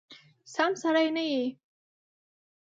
سم سړی نه یې !